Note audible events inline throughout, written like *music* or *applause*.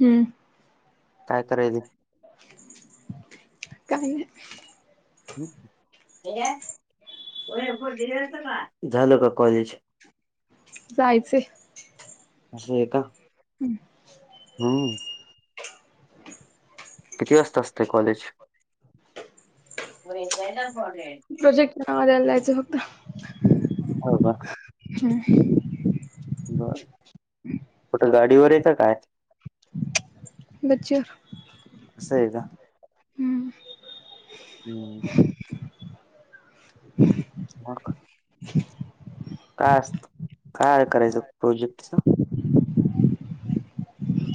हम्म. काय करायली? काय? झालं का कॉलेज? जायचे. असं आहे का? हम्म. हम्म. किती वाजता असतंय कॉलेज? प्रोजेक्ट नाव द्यायला जायचं फक्त. हो का? हम्म. बर. कुठं गाडीवर हाय का काय? *unintelligible* असं आहे का? हम्म. मग? काय असत, काय आहे करायचं प्रोजेक्टच?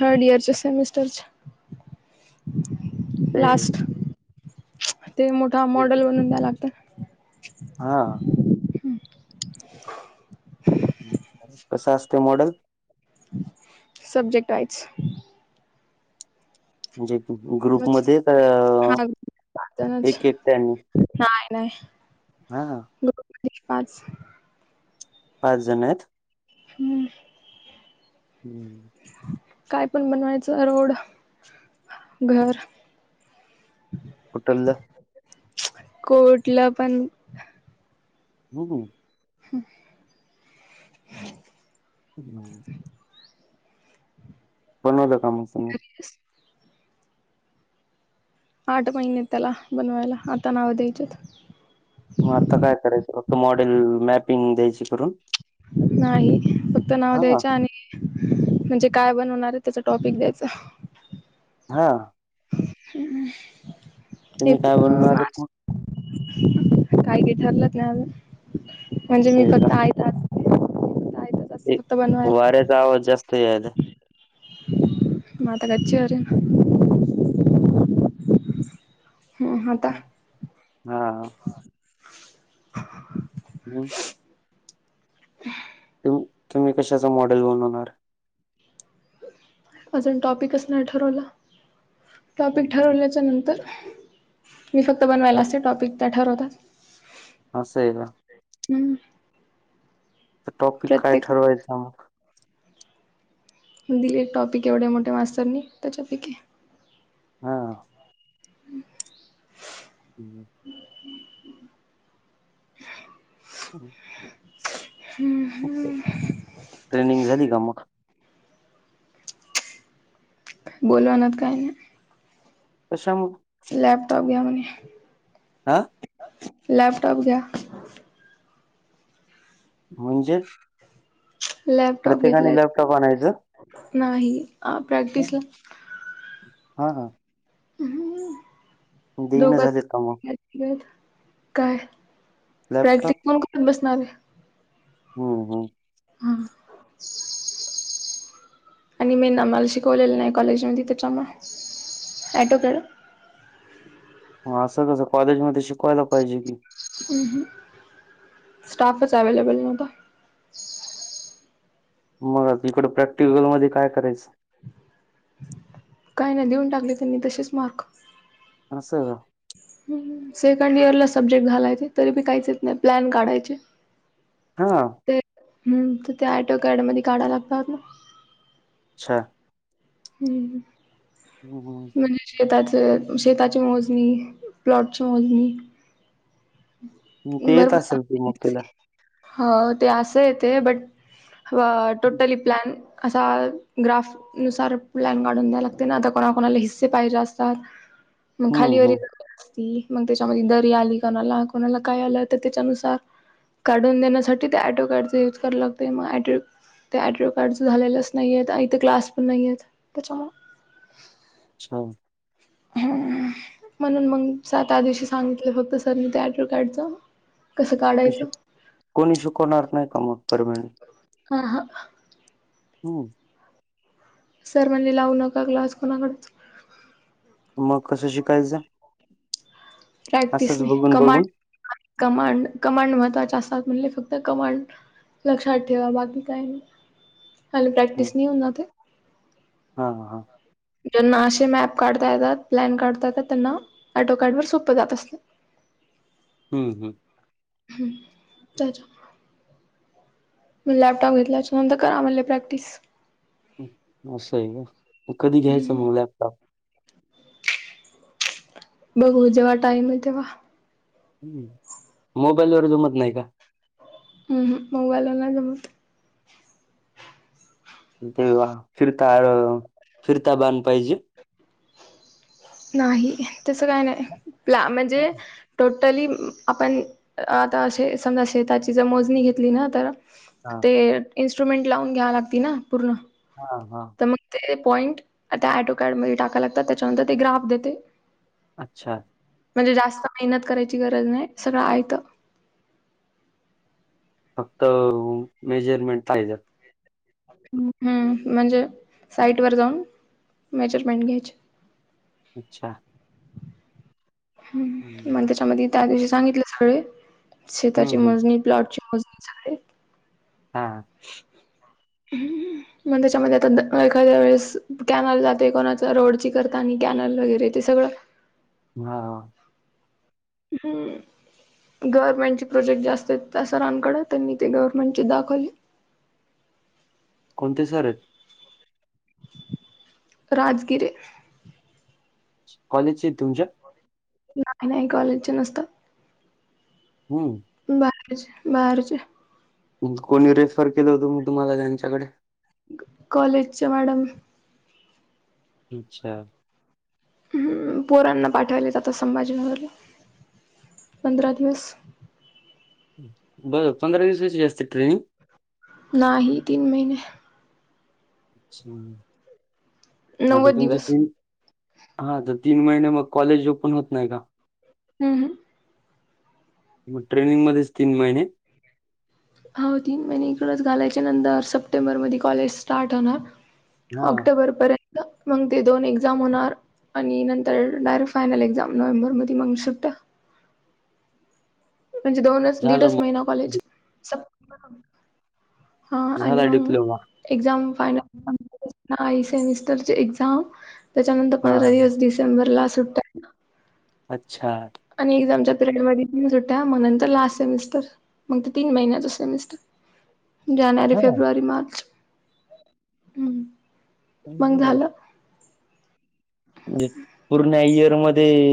थर्ड इयरच्या सेमिस्टरच्या, ते लास्ट. ते मोठा मॉडेल बनून द्याव लागत. हा. कस असतंय मॉडेल? सब्जेक्ट आहेच. म्हणजे ग्रुपमध्ये तर *unintelligible* नाय, नाय. हा. *unintelligible* पाच. पाच जण आहेत. हम्म. हम्म. काय पण बनवायचं रोड, घर. कुठलं? कुठलं पण हम्म. हम्म. हम्म. बनवलं का मग सगळं? आठ महिने आहेत त्याला बनवायला आता नाव द्यायचेत. मग आता काय करायचं फक्त मॉडेल मॅपिंग द्यायची करून? नाही फक्त नाव हा द्यायचं आणि. म्हणजे काय बनवणार आहे त्याचा टॉपिक द्यायच. हा. तुम्ही एक काय अ बनणार आहेत मास मग काय की ठरलंच नाही अजुन म्हणजे असं मी आहे का फक्त आय *unintelligible* ते वाऱ्याच आवाज जास्त यायलाय. मग आता काय चेअर *inaudible* हम्म आता. हा. मग तू तुम्ही कशाच मॉडेल बनवणार? अजून टॉपिकच नाही ठरवला टॉपिक ठरवल्याच्या नंतर. मी फक्त बनवायला असते टॉपिक त्या ठरवतात. असंय का? हम्म. टॉपिक काय प्रत्येक ठरवायचं मग. दिले एक टॉपिक एवढ्या मोठ्या मास्तरनी त्याच्यापैकी. हा हम्म. हम्म. *unintelligible* हम्म हम्म हम्म. ट्रेनिंग झाली का मग? बोलवानात काय नई अशा मग. लॅपटॉप घ्या म्हणे. अं? लॅपटॉप घ्या. म्हणजे. लॅपटॉप प्रत्येकाने घेतल्यात की लॅपटॉप आणायचं नाही अ प्रॅक्टिसला. हा हा. हम्म देईन दोघात झालेत का मग घेतलेत काय? लॅपटॉप प्रॅक्टिस पण करत बसणारे. हम्म हम्म. हां. आणि मी नमाला शिकवलेलं नाही कॉलेजमध्ये त्याच्यामुळं ॲटो कळ. म असं कसं कॉलेजमध्ये शिकवायला पाहिजे की. अं हम्म. स्टाफच अवेलेबल नव्हता. मग आता इकडं प्रॅक्टिकलमध्ये काय करायचं? काय ना देऊन टाकले त्यांनी तसेच मार्क. असंय व्हय? हम्म सेकंड इयरला सब्जेक्ट झालाय ते तरी बी काहीच येत नाही प्लॅन काढायचे. हा. ते हम्म तर ते आयटो कारडमध्ये काढा लागतात ना. च्छा. हम्म हम्म हम्म. हम्म हम्म हम्म. म्हणजे शेताचे शेताची मोजणी प्लॉटची मोजणी. हम्म ते येत बरोबर असेल चालते मग तिला ते हो ते अस येतंय बट व टोटली प्लॅन असा ग्राफ. नुसार प्लॅन कााढून द्याय लागते ना आता कोणा कोणाला हिस्से पाहिजे असतात. मग हम्म खालीवर हम्म असती मग त्याच्यामध्ये दरी आली कोणाला कोणाला काय आलं तर त्याच्यानुसार. काढून देण्यासाठी ते ॲटो कार्डचा यूज करा लागते मग ॲटो ते ॲड्रो कार्ड झालेलेच नाही आहेत आ इथे क्लास पण नाही आहेत त्याच्यामुळं. अच्छा. हम्म हम्म म्हणून मग सातहा दिवशी सांगितलं होतं सरनी त्या ॲट्रो कार्डचा. कसं काढायचं? शिक- कोणी शिकवणार नाही का मग परमे का हा. हम्म. सर म्हणजे लावू नका क्लास कोणाकडच. मग कसं शिकायचं? असंच प्रॅक्टिसने बघून कमांड बघून *inaudible* कमांड कमांड महत्वाचे असतात म्हणले फक्त कमांड लक्षात ठेवा बाकी काय नाही हलक्या हम्म. टीसनी होऊन जाते. हा हा. ज्यांना अशे मॅप काढता येतात प्लॅन काढता येतात त्यांना ॲडोकार्ड वर सोपं जात असते. हम्म हम्म. हम्म त्याचा मग लॅपटॉप घेतल्याच्यानंतर करा म्हणले प्रॅक्टिस. असं आहे का कधी घ्यायचं मग लॅपटॉप? बघू जेव्हा टाईम आहे तेव्हा. हम्म मोबाईल वर जमत नाही का? उम हम्म मोबाईलला नाही जमत. तेव्हा फिरता फिरता बांध पाहिजे. नाही तसं काय नाही प्ला म्हणजे टोटली आपण आता अशे समजा शेताची जर मोजणी घेतली ना तर हा ते इन्स्ट्रुमेंट लावून घ्याव लागती ना पूर्ण. हा हा. तर मग ते पॉईंट आता ॲटो कार्डमध्ये टाका लागतात त्याच्यानंतर ते ग्राफ देते. अच्छा. म्हणजे जास्त मेहनत करायची गरज नाही सगळं आहे तर. फक्त मेजरमेंटचे हेज्यात. हम्म म्हणजे साईड वर जाऊन मेजरमेंट घ्यायचे. अच्छा. मंग हम्म त्याच्यामध्ये त्या दिवशी सांगितले सगळे शेताची हम्म हम्म. मोजणी, प्लॉटची मोजणी सगळे हा. हम्म हम्म. मग त्याच्यामध्ये आता द एखाद्या वेळेस कॅनल जाते कोणाचा रोडची करता आणि कॅनल वगैरे ते सगळं हा हम्म. गव्हर्नमेंटचे प्रोजेक्ट जास्त आहेत सरांकडं त्यांनी ते गव्हर्नमेंटचे दाखवले. कोणते सर आहेत? राजगिरे कॉलेजची तुमच्या नाही-नाही कॉलेजचे नसतात. हम्म. बाकीचे बाहेरचे कोणी रेफर केलं होतं मग तुम्हाला त्यांच्याकडे? कॉलेजच्या मॅडम ईच्छा पोरांना पाठवावले आता संभाजीनगरला पंधरा दिवस. बरं पंधरा दिवसची असते ट्रेनिंग? नाही तीन महिने. अच्छा आणि नव्वद तुमचे दिवस. तीन हा तर तीन महिन्यांत मग कॉलेज होपण होत नाही का? हम्म हम्म मग ट्रेनिंग मध्येच तीन महिने हो तीन महिने इकडेच घालायच्या नंदर सप्टेंबर मध्ये कॉलेज स्टार्ट होणार. हा ऑक्टोबर पर्यंत मंग ते दोन एक्झाम होणार आणि नंतर डायरेक्ट फायनल एक्झाम नोव्हेंबर मध्ये मग शिफ्ट. म्हणजे दोनच झालं दीडच महिना मग कॉलेज सप्टे. *inaudible* हा आणि झाला मंग डिप्लोमा एक्झाम फायनल *inaudible* सेमिस्टरची एक्झाम. त्याच्यानंतर हा पंधरा वीस डिसेंबरला सुट्टया. अच्छा आणि एक्झामच्या पिरियड मध्ये होत्या नंतर लास्ट सेमिस्टर. मग ते तीन महिन्याचा सेमिस्टर. जानेवारी हा फेब्रुवारी मार्च हम्म. मग इनजाॅय झालं म्हणजे पूर्ण इयर मध्ये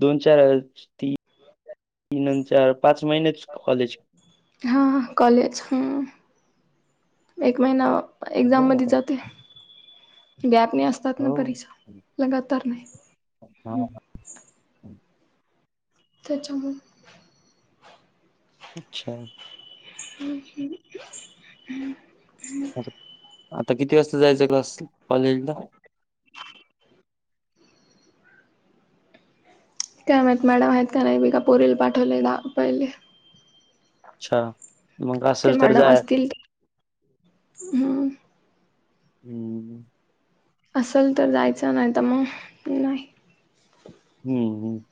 दोन-चार ती तीन अन चार पाच महिनेच कॉलेज. हां कॉलेज हम्म एक महिना अ एक्झाम मध्ये बरं जाते गॅप नाही अस जात ना परिचा हो लगातार नाही हा हम्म. त्याच्यामुळं अच्छा हम्म हम्म हम्म.. आता किती वाजता जायचा आहे क्लास कॉलेजला? *inaudible* काय माहित मॅडम आहेत का नाही बी का पोरीला पाठवलेला पहिले. अच्छा मग ते असेल तर मॅडम जाय असतील हम्म हम्म. असल तर जायचं नाही तर मग नाही. हम्म हम्म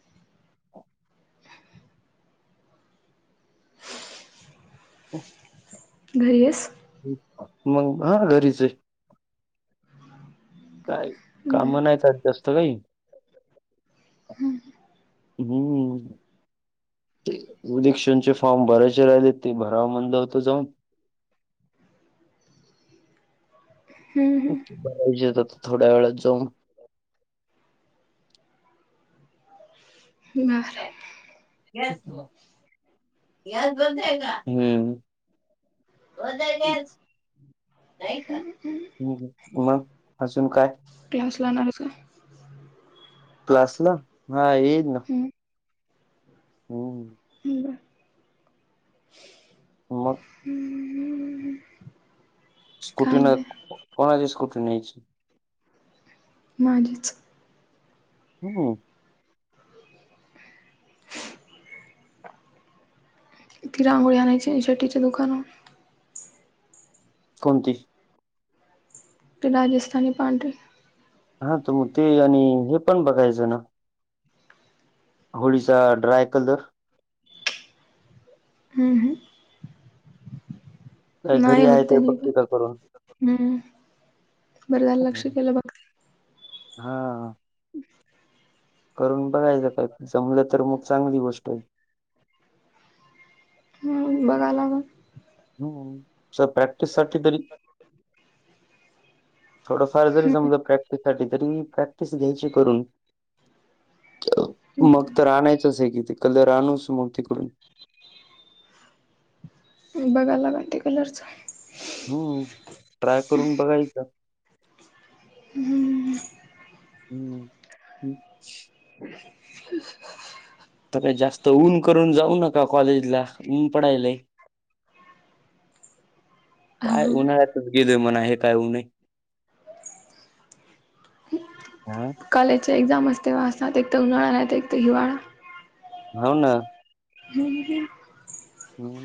ओ घरी आहेस मग हा घरीच आहे. काय काम बर नाही त्यात जास्त काही. हम्म हम्म. ते उदिक्शनचे फॉर्म भरायचे राहिले ते भराव म्हणलं होत जाऊन. हम्म. हम्म *inaudible* भरायजेयेत थोड्या वेळात जाऊन. बरं *unintelligible* हम्म. मग अजून काय? क्लास लावणार हायस काय? क्लासला हा येईल ना. हम्म. हम्म हम्म बा मग हम्म हम्म. स्कूटीन कोणाची स्कूटी न्यायची. माझीच हम्म. ति रांगोळी आणायची शेट्टीच्या दुकानाहून. कोणती? ते राजस्थानी पांढरी. हा तुम्ही ते आणि हे पण बघायचं ना होळीचा ड्राय कलर हम्म, हम्म. काय नाही घरी होत आहे त्यानी पण का *unintelligible* करून. हम्म बरं झालं हम्म. लक्ष केलं बघ हा. *inaudible* करून बघायचं काय जमलं तर मग चांगली गोष्ट आहे हम्म बघाय लागलं. हम्म. *unintelligible* तेज्यासाठी तरी थोड फार जरी जमलं प्र त्यासाठी तर मी प्रॅक्टिस घ्यायची करून. मग तर आणायचंच आहे की ते कलर आणुच मग तिकडून. बघाय लागल ते कलरच. हम्म, ट्राय करून बघायचा. हम्म, हम्म. हम्म *unintelligible* *inaudible* तर जास्त ऊन करून जाऊ नका कॉलेजला, ऊन पडायलेय. काय हो उन्हाळ्यात गेले म्हणा हे काय होऊ नये हा. कॉलेजचे एक्झाम असते *unintelligible* एक तर उन्हाळा नाहीतर एक तर हिवाळा. हो ना. *inaudible* हम्म.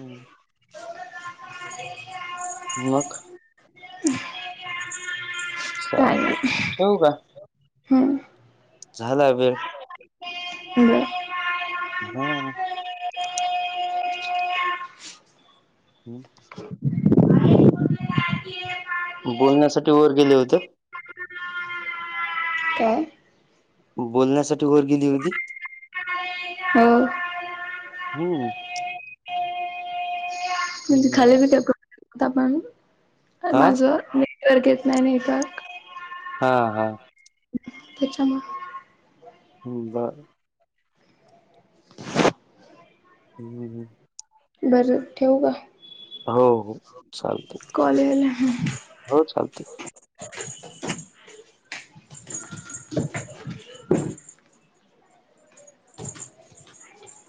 मग? काय चालते नाही. ठेवू का हम्म. झाला वेळ. बर. हा. हम्म. बोलण्यासाठी वर गेले होत. काय? बोलण्यासाठी वर गेली होती. हो. हम्म. म्हणजे खाली हम्म. *unintelligible* आपण हा माझ नेटवर्क येत नाही नेटवर्क. हा, हा. त्याच्यामुळं. हम्म बा हम्म हम्म. बरं ठेवू का? हो, हो चालतंय. कॉल यायलाय हो चालतंय. *inaudible*